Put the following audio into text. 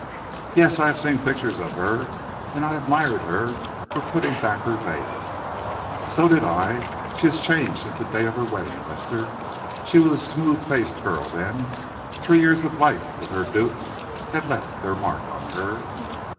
"Yes, I have seen pictures of her. And I admired her for putting back her veil." "So did I. She has changed since the day of her wedding, Lester she was a smooth faced girl, then! Three years of life with her duke have left their mark on her!"